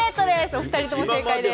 お２人とも正解です。